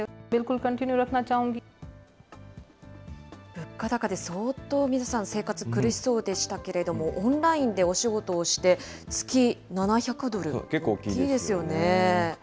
物価高で相当、皆さん、生活苦しそうでしたけれども、オンラインでお仕事をして月７００結構大きいですよね。